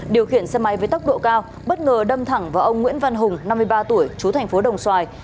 điều khiển xe máy với tốc độ cao bất ngờ đâm thẳng vào ông nguyễn văn hùng năm mươi ba tuổi trú tp đồng xoài